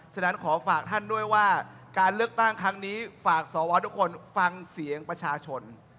ฉะนั้นขอฝากท่านด้วยว่าการเลือกตั้งครั้งนี้ฝากสวทุกคนฟังเสียงประชาชน